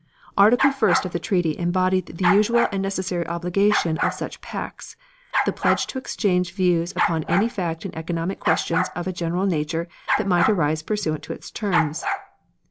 "Article first of the treaty embodied the usual and necessary obligation of such pacts the pledge to exchange views upon any fact and economic questions of a general nature that might arise pursuant to its terms.